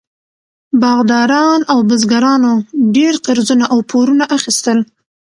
باغداران او بزګرانو ډېر قرضونه او پورونه اخیستل.